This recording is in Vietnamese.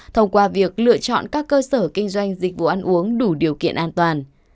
thông qua việc lựa chọn các cơ sở kinh doanh dịch vụ ăn uống đủ điều kiện an toàn